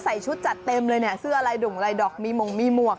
ใส่ชุดจัดเต็มเลยเนี่ยเสื้อลายด่งลายดอกมีหมงมีหมวก